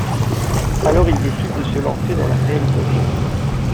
Alors il décide de se lancer dans la réalisation.